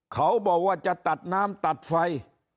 เขาบอกว่าจะตัดน้ำตัดไฟ